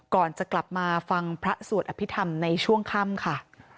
ก่อนจะกลับมาฟังพระสวดอภิษฐรรมในช่วงค่ำค่ะ